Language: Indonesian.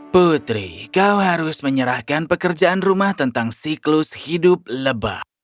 putri kau harus menyerahkan pekerjaan rumah tentang siklus hidupmu